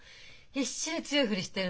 必死で強いふりしてるの。